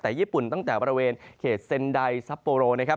แต่ญี่ปุ่นตั้งแต่บริเวณเขตเซ็นไดซัปโปโรนะครับ